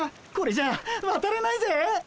これじゃわたれないぜ！